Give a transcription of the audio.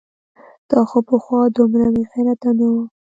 دا خو پخوا دومره بېغیرته نه و؟!